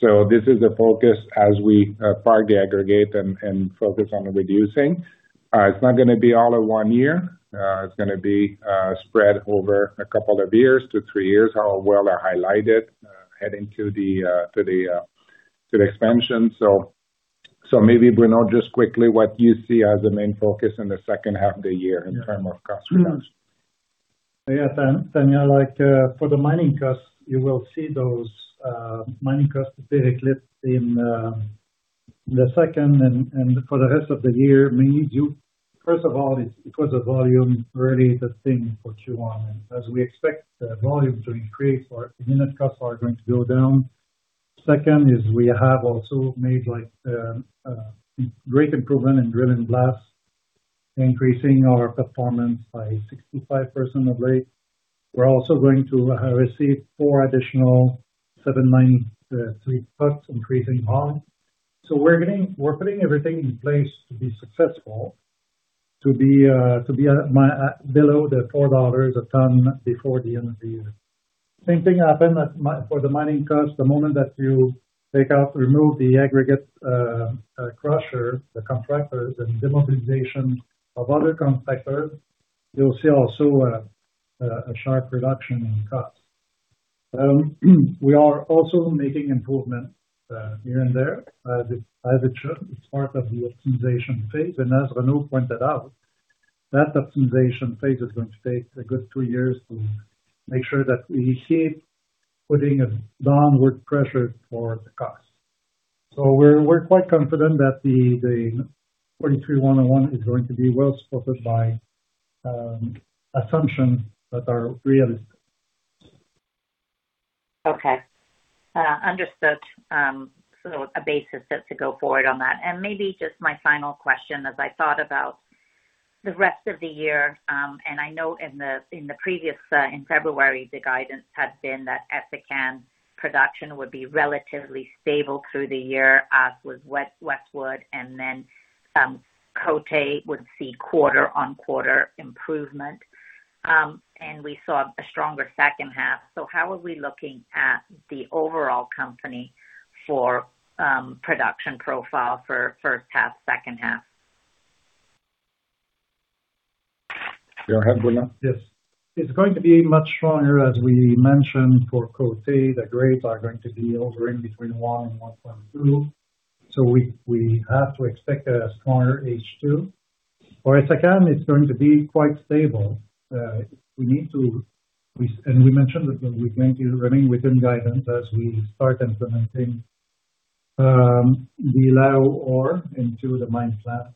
This is a focus as we park the aggregate and focus on reducing. It's not gonna be all in one year. It's gonna be spread over a couple years to three years. Our world are highlighted, heading to the expansion. Maybe, Bruno, just quickly what you see as the main focus in the second half of the year in terms of customers. For the mining costs, you will see those mining costs basically in the second and for the rest of the year. First of all, it's because of volume really the thing for Q1. As we expect the volume to increase, unit costs are going to go down. Second is we have also made great improvement in drill and blast, increasing our performance by 65% of late. We're also going to receive four additional 793 trucks increasing haul. We're putting everything in place to be successful, to be below the 4 dollars a ton before the end of the year. Same thing happened for the mining costs. The moment that you take out, remove the aggregate crusher, the contractor, the demobilization of other contractors, you'll see also a sharp reduction in cost. We are also making improvement here and there as it should. It's part of the optimization phase. As Renaud pointed out, that optimization phase is going to take a good two years to make sure that we keep putting a downward pressure for the cost. We're quite confident that the 43-101 is going to be well supported by assumptions that are realistic. Okay. Understood. A basis to go forward on that. Maybe just my final question, as I thought about the rest of the year, I know in the, in the previous, in February, the guidance had been that Essakane production would be relatively stable through the year, as was Westwood, and then, Côté would see quarter-on-quarter improvement. We saw a stronger second half. How are we looking at the overall company for, production profile for first half, second half? Go ahead, Bruno. Yes. It's going to be much stronger, as we mentioned, for Côté. The grades are going to be over in between one and 1.2. We have to expect a stronger H2. For Essakane, it's going to be quite stable. We mentioned that we're going to remain within guidance as we start implementing the low ore into the mine plan.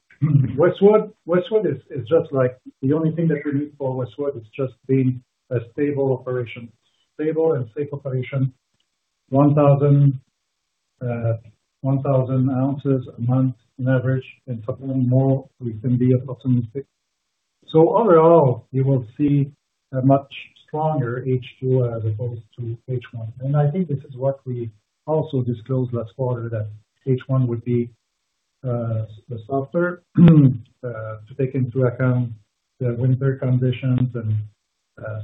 Westwood is just like the only thing that we need for Westwood is just being a stable operation. Stable and safe operation. 1,000 ounces a month on average, and something more we can be optimistic. Overall, you will see a much stronger H2 as opposed to H1. I think this is what we also disclosed last quarter, that H1 would be softer to take into account the winter conditions and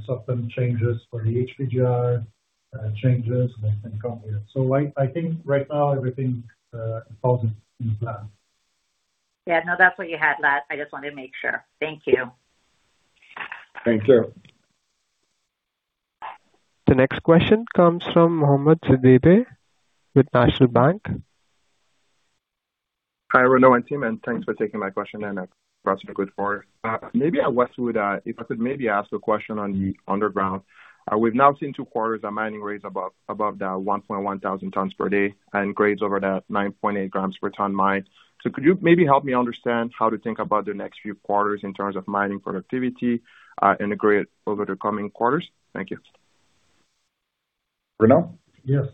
certain changes for the HPGR, changes that can come with it. I think right now everything falls in plan. Yeah, no, that's what you had last. I just wanted to make sure. Thank you. Thanks. The next question comes from Mohamed Sidibé with National Bank. Hi, Renaud and team. Thanks for taking my question and for a good quarter. Maybe at Westwood, if I could maybe ask a question on the underground. We've now seen two quarters of mining rates above the 1,100 tons per day and grades over the 9.8 grams per ton mined. Could you maybe help me understand how to think about the next few quarters in terms of mining productivity and the grade over the coming quarters? Thank you. Bruno? Yes.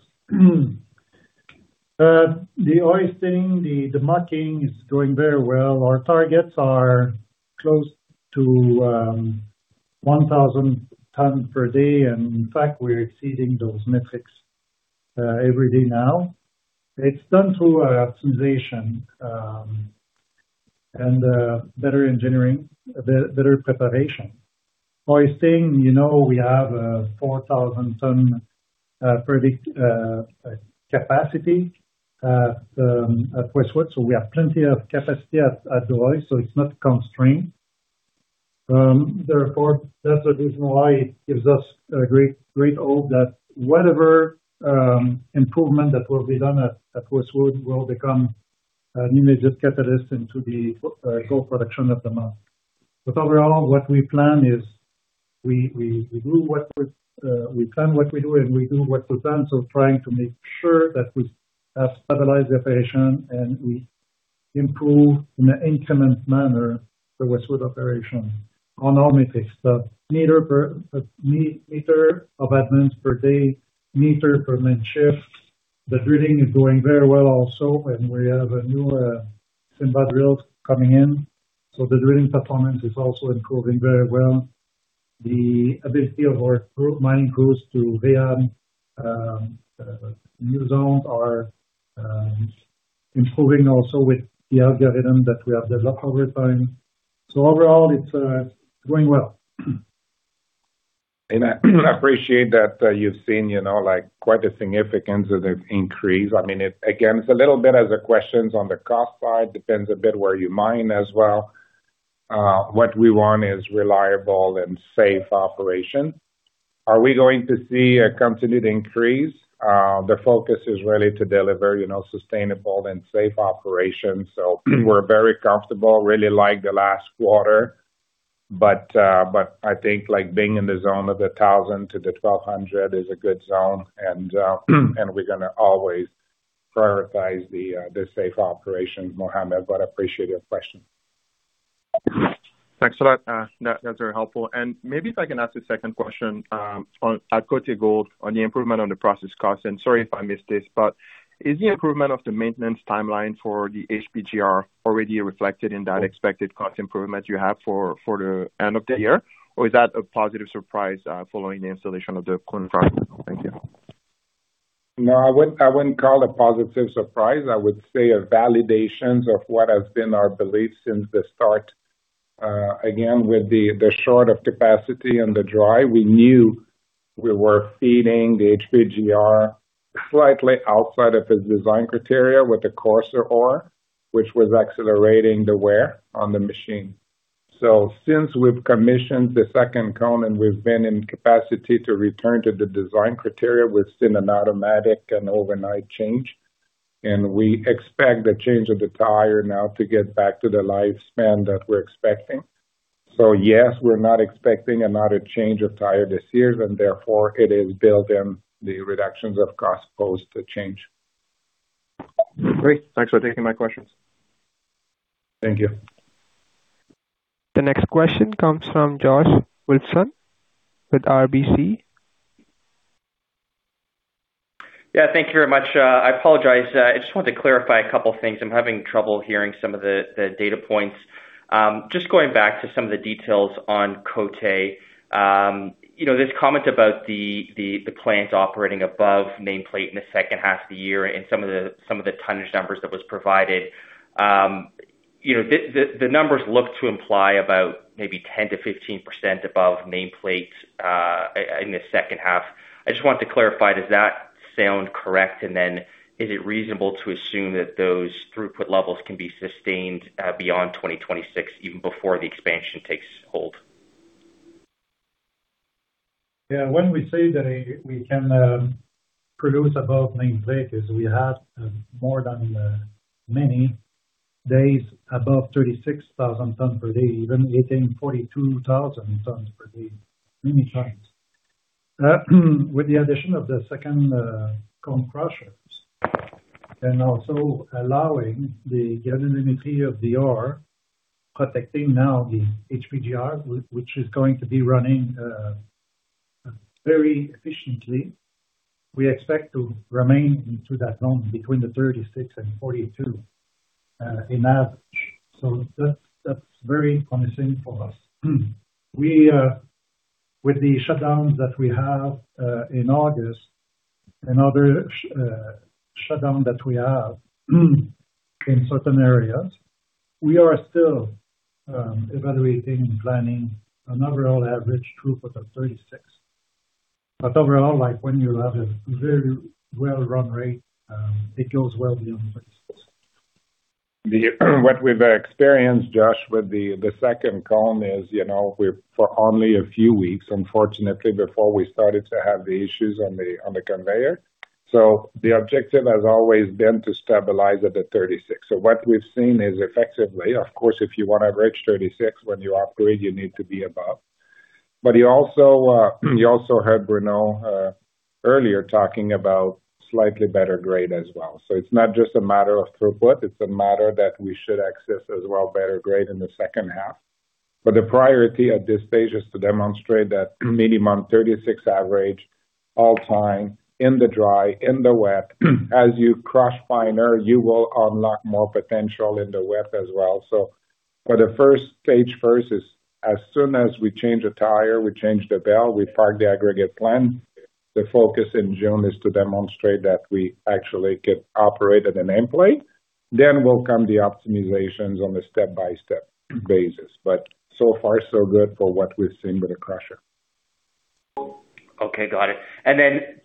The hoisting, the mucking is doing very well. Our targets are close to 1,000 tons per day. In fact, we're exceeding those metrics every day now. It's done through optimization and better engineering, better preparation. Hoisting, you know, we have 4,000 ton capacity at Westwood, so we have plenty of capacity at the hoist, so it's not constrained. Therefore, that's the reason why it gives us a great hope that whatever improvement that will be done at Westwood will become an immediate catalyst into the gold production of the mine. Overall, what we plan is we do what we plan what we do and we do what we plan, so trying to make sure that we stabilize the operation and we improve in an incremental manner the Westwood operation on all metrics. The meter per meter of advance per day, meter per man shift. The drilling is going very well also. We have a newer Simba drills coming in. The drilling performance is also improving very well. The ability of our crew mining crews to new zones are improving also with the algorithm that we have developed over time. Overall, it's doing well. I appreciate that you've seen, you know, like quite a significant increase. I mean, it's again, it's a little bit of the questions on the cost side, depends a bit where you mine as well. What we want is reliable and safe operation. Are we going to see a continued increase? The focus is really to deliver, you know, sustainable and safe operations. We're very comfortable, really like the last quarter. I think like being in the zone of the 1,000-1,200 is a good zone. We're gonna always prioritize the safe operations, Mohamed, but I appreciate your question. Thanks for that. That's very helpful. Maybe if I can ask a second question on, at Côté Gold on the improvement on the process cost, sorry if I missed this, is the improvement of the maintenance timeline for the HPGR already reflected in that expected cost improvement you have for the end of the year? Is that a positive surprise following the installation of the cone crusher? Thank you. No, I wouldn't call it a positive surprise. I would say a validations of what has been our belief since the start. Again, with the short of capacity and the dry, we knew we were feeding the HPGR slightly outside of its design criteria with the coarser ore, which was accelerating the wear on the machine. Since we've commissioned the second cone and we've been in capacity to return to the design criteria, we've seen an automatic and overnight change. We expect the change of the tire now to get back to the lifespan that we're expecting. Yes, we're not expecting another change of tire this year, and therefore it is built in the reductions of cost post change. Great. Thanks for taking my questions. Thank you. The next question comes from Josh Wilson with RBC. Yeah, thank you very much. I apologize. I just wanted to clarify a couple things. I'm having trouble hearing some of the data points. Just going back to some of the details on Côté. You know, this comment about the plant operating above nameplate in the second half of the year and some of the tonnage numbers that was provided. You know, the numbers look to imply about maybe 10%-15% above nameplate in the second half. I just wanted to clarify, does that sound correct? Is it reasonable to assume that those throughput levels can be sustained beyond 2026, even before the expansion takes hold? Yeah. When we say that we can produce above nameplate is we have more than many days above 36,000 tons per day, even hitting 42,000 tons per day many times. With the addition of the second cone crushers and also allowing the geology of the ore, protecting now the HPGR, which is going to be running very efficiently, we expect to remain in through that zone between the 36,000 tons and 42,000 tons in average. That's very promising for us. We, with the shutdowns that we have in August and other shutdown that we have in certain areas, we are still evaluating and planning an overall average throughput of 36,000 tons. Overall, like, when you have a very well run rate, it goes well beyond 36,000 tons. What we've experienced, Josh, with the second cone is for only a few weeks, unfortunately, before we started to have the issues on the conveyor. The objective has always been to stabilize it at 36,000 tons. What we've seen is effectively, of course, if you wanna average 36,000 tons when you operate, you need to be above. You also, you also heard Bruno earlier talking about slightly better grade as well. It's not just a matter of throughput, it's a matter that we should access as well better grade in the second half. The priority at this stage is to demonstrate that minimum 36,000 tons average all time in the dry, in the wet. As you crush finer, you will unlock more potential in the wet as well. For the first stage first is as soon as we change a tire, we change the belt, we park the aggregate plant. The focus in June is to demonstrate that we actually can operate at the nameplate. Will come the optimizations on a step-by-step basis, but so far so good for what we're seeing with the crusher. Okay, got it. Then,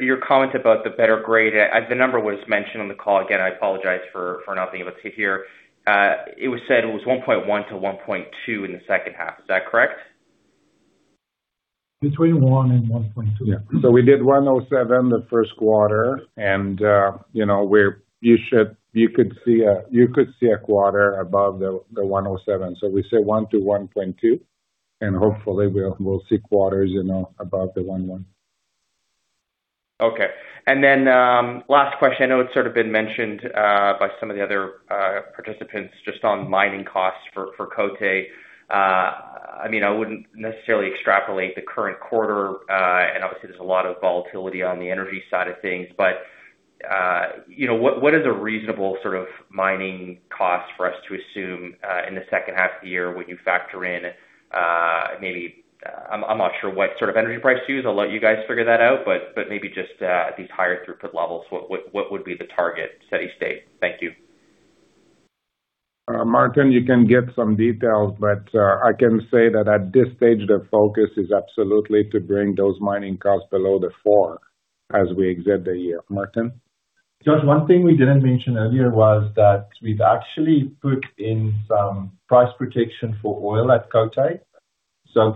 your comment about the better grade, the number was mentioned on the call. Again, I apologize for not being able to hear. It was said it was 1.1 to 1.2 in the second half. Is that correct? Between one and 1.2. Yeah. We did 107 the 1st quarter and, you know, you should, you could see a quarter above the 107. We say one to 1.2, and hopefully we'll see quarters, you know, above the 1.1. Okay. Last question. I know it's sort of been mentioned by some of the other participants just on mining costs for Côté. I mean, I wouldn't necessarily extrapolate the current quarter, and obviously there's a lot of volatility on the energy side of things, but what is a reasonable sort of mining cost for us to assume in the second half of the year when you factor in maybe, I'm not sure what sort of energy price to use. I'll let you guys figure that out, but maybe just at these higher throughput levels, what would be the target steady state? Thank you. Maarten, you can give some details, but I can say that at this stage, the focus is absolutely to bring those mining costs below 4 as we exit the year. Maarten? Josh, one thing we didn't mention earlier was that we've actually put in some price protection for oil at Côté.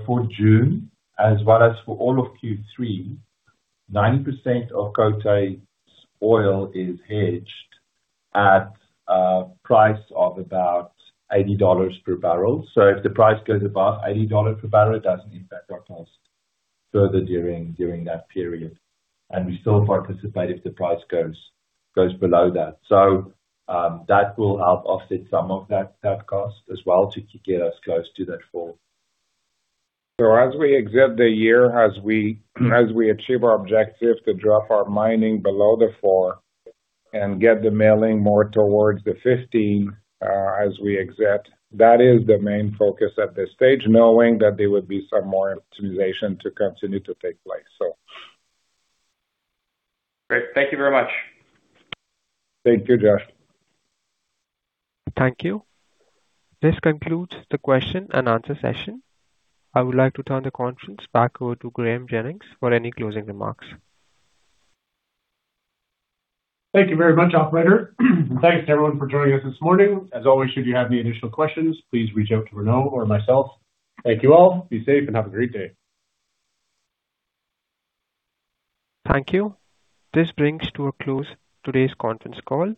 For June, as well as for all of Q3, 90% of Côté's oil is hedged at a price of about 80 dollars per barrel. If the price goes above 80 dollars per barrel, it doesn't impact our cost further during that period, and we still participate if the price goes below that. That will help offset some of that cost as well to get us close to that four. As we exit the year, as we achieve our objective to drop our mining below four and get the milling more towards 15, as we exit, that is the main focus at this stage, knowing that there would be some more optimization to continue to take place. Great. Thank you very much. Thank you, Josh. Thank you. This concludes the question and answer session. I would like to turn the conference back over to Graeme Jennings for any closing remarks. Thank you very much, operator. Thanks to everyone for joining us this morning. As always, should you have any additional questions, please reach out to Renaud or myself. Thank you all. Be safe and have a great day. Thank you. This brings to a close today's conference call.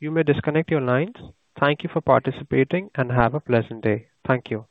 You may disconnect your lines. Thank you for participating, and have a pleasant day. Thank you.